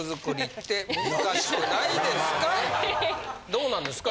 どうなんですか？